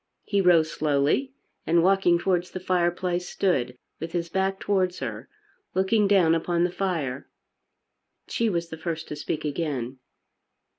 He rose slowly and walking towards the fireplace stood with his back towards her, looking down upon the fire. She was the first to speak again.